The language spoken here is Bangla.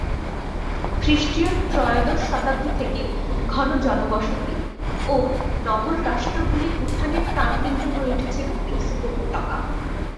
খ্রিস্টীয় ত্রয়োদশ শতাব্দী থেকে ঘন জনবসতি ও নগর-রাষ্ট্রগুলির উত্থানের প্রাণকেন্দ্র হয়ে উঠেছিল মেক্সিকো উপত্যকা।